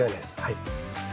はい。